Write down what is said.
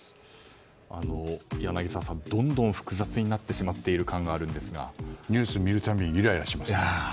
柳澤さん、どんどん複雑になってしまっている感がニュースを見るたびにイライラしますね。